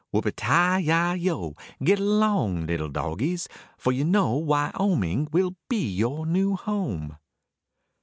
Whoopee ti yi yo, git along little dogies, For you know Wyoming will be your new home.